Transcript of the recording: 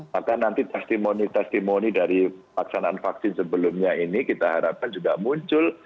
maka nanti testimoni testimoni dari paksanaan vaksin sebelumnya ini kita harapkan juga muncul